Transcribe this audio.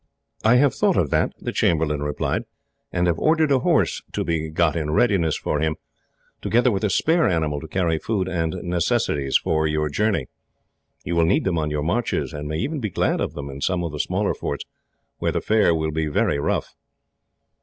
"I have thought of that," the chamberlain replied, "and have ordered a horse to be got in readiness for him, together with a spare animal to carry food and necessaries for your journey. You will need them on your marches, and may even be glad of them in some of the smaller forts, where the fare will be very rough."